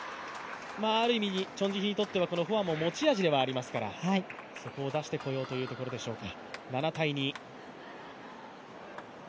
ある意味、チョン・ジヒにとっては、このフォアも持ち味ではありますから、そこを出していこうというところでしょうか。